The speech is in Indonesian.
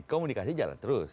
komunikasi jalan terus